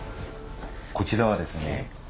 こちらはですね